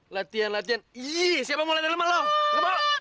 latihan latihan iiih siapa mau latihan sama lu ngepao